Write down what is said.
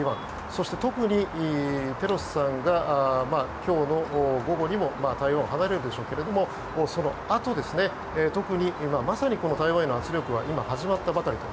そして、特にペロシさんが今日の午後にも台湾を離れるでしょうけどそのあと、特にまさにこの台湾への圧力は今、始まったばかりと。